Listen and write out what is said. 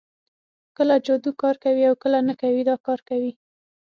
کله جادو کار کوي او کله نه کوي دا کار کوي